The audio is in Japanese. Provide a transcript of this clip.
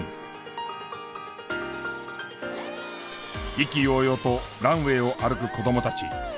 意気揚々とランウェーを歩く子どもたち。